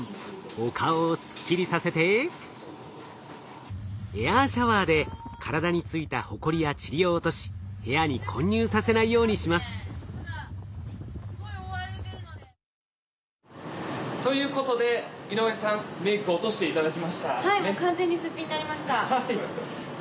お顔をすっきりさせてエアーシャワーで体についたホコリやチリを落とし部屋に混入させないようにします。ということで井上さんメイク落として頂きました。